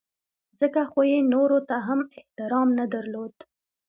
ځکه خو یې نورو ته هم احترام نه درلود.